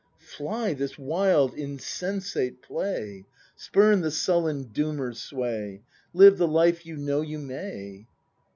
Fly this wild insensate play! Spurn the sullen Doomer's sway; Live the life you know you may!